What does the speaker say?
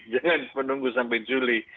jangan menunggu sampai juli